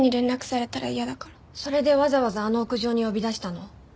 それでわざわざあの屋上に呼び出したの？